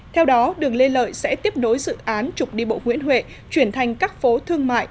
theo đó đường lê lợi sẽ tiếp nối dự án trục đi bộ nguyễn huệ chuyển thành các phố thương mại